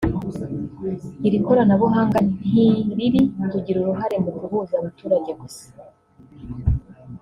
Iri koranabuhanga ntiriri kugira uruhare mu guhuza abaturage gusa